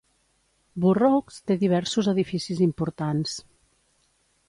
Burroughs té diversos edificis importants.